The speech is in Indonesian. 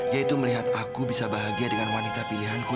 yaitu melihat aku bisa bahagia dengan wanita pilihanku